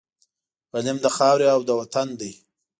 غلیم د خاوري او د وطن دی